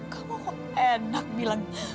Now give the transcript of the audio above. kamu kok enak bilang